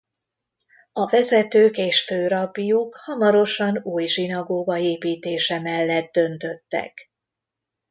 A vezetők és főrabbijuk hamarosan új zsinagóga építése mellett döntöttek.